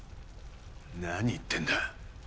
何言ってんだ？